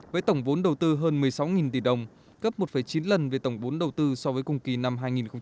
với tổng vốn đầu tư hơn một mươi sáu tỷ đồng cấp một chín lần về tổng vốn đầu tư so với cùng kỳ năm hai nghìn một mươi chín